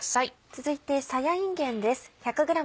続いてさやいんげんです。